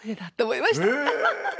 ハハハハ！